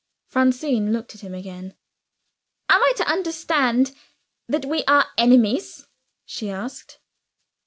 Francine looked at him again "Am I to understand that we are enemies?" she asked.